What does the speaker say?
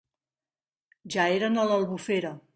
Ja eren a l'Albufera.